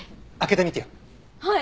はい。